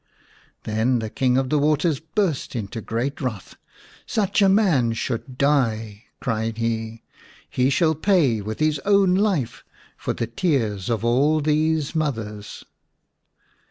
Then the King of the Waters burst into great wrath. " Such a man should die," cried he. " He shall pay with his own life for the tears of all these mothers."